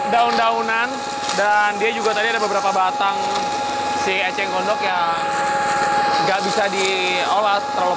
daun daunan dan dia juga tadi ada beberapa batang si eceng gondok yang nggak bisa diolah terlalu